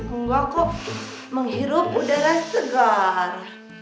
enggak kok menghirup udara segar